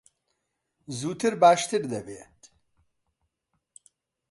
زووتر باشتر دەبێت.